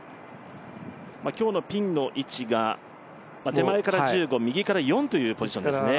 今日のピンの位置が手前から１５、右から４というポジションですね。